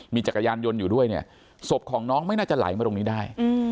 มีจักรยานยนต์อยู่ด้วยเนี่ยศพของน้องไม่น่าจะไหลมาตรงนี้ได้